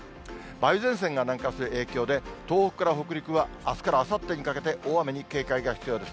梅雨前線が南下する影響で、東北から北陸はあすからあさってにかけて大雨に警戒が必要です。